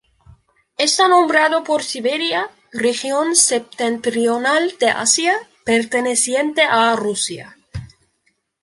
Está nombrado por Siberia, región septentrional de Asia perteneciente a Rusia.